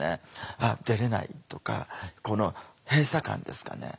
「あっ出れない」とかこの閉鎖感ですかね。